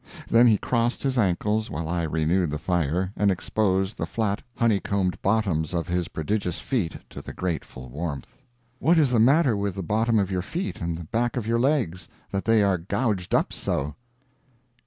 Then he crossed his ankles, while I renewed the fire, and exposed the flat, honeycombed bottoms of his prodigious feet to the grateful warmth. "What is the matter with the bottom of your feet and the back of your legs, that they are gouged up so?"